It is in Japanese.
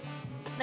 何？